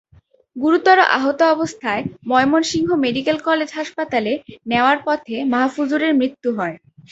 গুরুতর আহত অবস্থায় ময়মনসিংহ মেডিকেল কলেজ হাসপাতালে নেওয়ার পথে মাহফুজুরের মৃত্যু হয়।